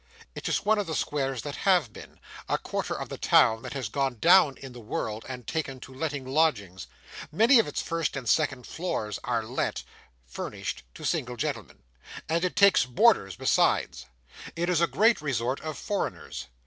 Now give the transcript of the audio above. It is one of the squares that have been; a quarter of the town that has gone down in the world, and taken to letting lodgings. Many of its first and second floors are let, furnished, to single gentlemen; and it takes boarders besides. It is a great resort of foreigners.